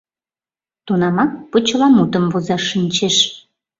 Тунамак почеламутым возаш шинчеш: